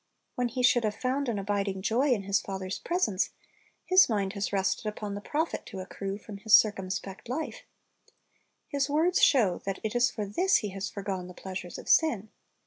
When he should have found an abiding joy in his father's pres ence, his mind has rested up on the profit to accrue from his c i r c u m spect hfe. His words s h o w that it is for this he has foregone the pleasures of sin.